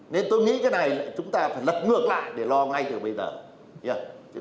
nên tôi nghĩ cái này chúng ta phải lật ngược lại để lo ngay từ bây giờ